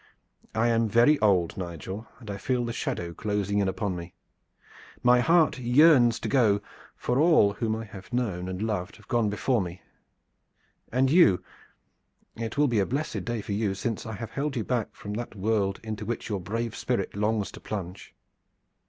"I am very old, Nigel, and I feel the shadow closing in upon me. My heart yearns to go, for all whom I have known and loved have gone before me. And you it will be a blessed day for you, since I have held you back from that world into which your brave spirit longs to plunge."